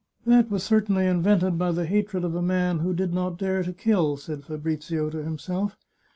" That was cer tainly invented by the hatred of a man who did not dare to kill," said Fabrizio to himself.